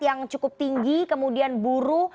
yang cukup tinggi kemudian buruh